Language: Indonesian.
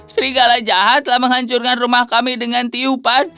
serigala jahatlah menghancurkan rumah kami dengan tiupan